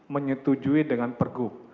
menyetujui dengan per gup